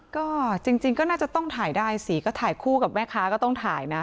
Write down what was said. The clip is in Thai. ก็จริงก็น่าจะต้องถ่ายได้สิก็ถ่ายคู่กับแม่ค้าก็ต้องถ่ายนะ